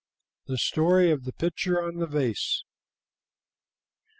THE STORY OF THE PICTURE ON THE VASE.